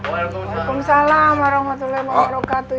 waalaikumsalam warahmatullahi wabarakatuh